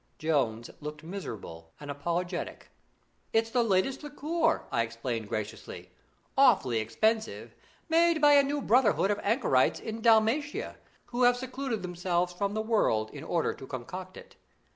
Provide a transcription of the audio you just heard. Jones looked miserable and apologetic. 'It's the latest liqueur,' I explained graciously. 'Awfully expensive; made by a new brotherhood of Anchorites in Dalmatia, who have secluded themselves from the world in order to concoct it.